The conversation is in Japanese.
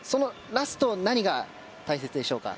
ラスト、何が大切でしょうか。